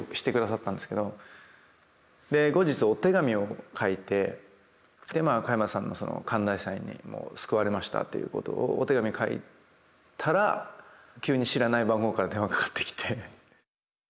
で後日お手紙を書いて加山さんの寛大さに救われましたということをお手紙に書いたら急に知らない番号から電話かかってきて。